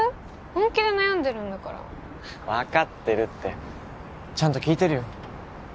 本気で悩んでるんだから分かってるってちゃんと聞いてるよ